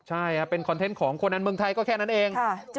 ใช่เป็นคอนเทนต์ของคนในเมืองไทยก็แค่นั้นเอง